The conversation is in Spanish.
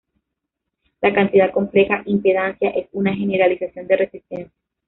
La cantidad compleja impedancia es una generalización de resistencia.